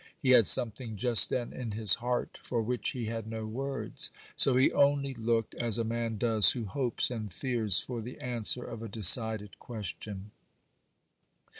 He had something just then in his heart for which he had no words; so he only looked as a man does who hopes and fears for the answer of a decided question.